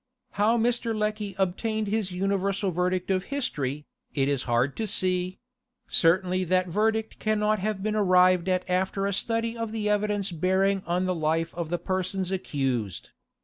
How Mr. Lecky obtained his universal verdict of history, it is hard to see: certainly that verdict can not have been arrived at after a study of the evidence bearing on the life of the persons accused.